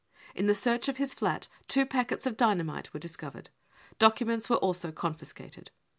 In the search of his flat two packets of dynamite were discovered. Documents were also confiscated.